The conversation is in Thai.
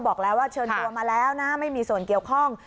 บอกแล้วว่าเชิญตัวมาแล้วนะไม่มีส่วนเกี่ยวข้อง